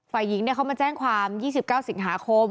ฝ่ายหญิงเขามาแจ้งความ๒๙สิงหาคม